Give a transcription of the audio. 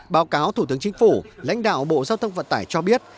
báo cáo thủ tướng chính phủ lãnh đạo bộ giao thông vận tải cho biết